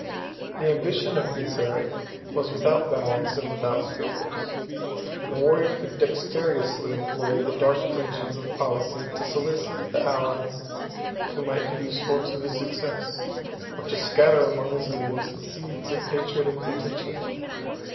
The ambition of Genseric was without bounds and without scruples; and the warrior could dexterously employ the dark engines of policy to solicit the allies who might be useful to his success, or to scatter among his enemies the seeds of hatred and contention.